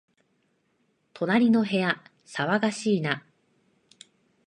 隣の部屋、騒がしいな